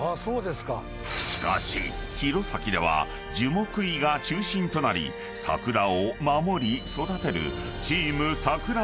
［しかし弘前では樹木医が中心となり桜を守り育てる］